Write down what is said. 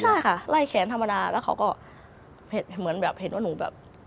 ใช่ค่ะไล่แขนธรรมดาแล้วเค้าก็เห็นว่าหนูแบบ